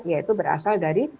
yaitu berasal dari